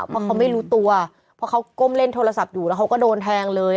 เพราะเขาไม่รู้ตัวเพราะเขาก้มเล่นโทรศัพท์อยู่แล้วเขาก็โดนแทงเลย